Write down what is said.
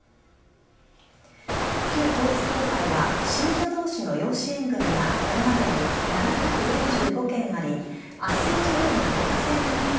旧統一教会は信者同士の養子縁組がこれまでに７４５件ありあっせん事業が許可制になった